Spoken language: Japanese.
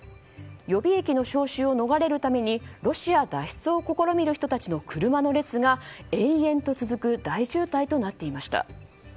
予備役の招集を逃れるためにロシア脱出を試みる人たちの車の列が延々と続く大渋滞となっていました。